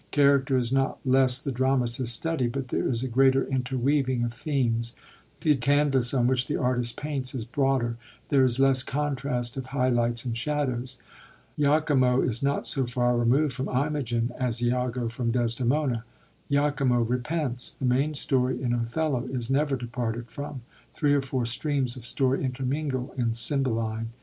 Character is not less the dramatist's study, but there is a greater interweaving of themes; the canvas on which the artist paints is broader ; there is less contrast of high lights and shadows. lachimo is not so far removed from Imogen as lago from Des demona; lachimo repents. The main story in OtheUa is never departed from ; three or four streams of story intermingle in Cymbeline.